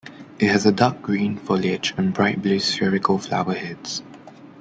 It has a dark evergreen foliage and bright blue spherical flowerheads.